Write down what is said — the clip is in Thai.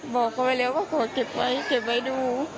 บอกเขาไว้แล้วว่าขอเก็บไว้เก็บไว้ดู